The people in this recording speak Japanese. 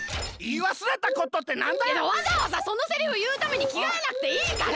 わざわざそのセリフいうためにきがえなくていいから！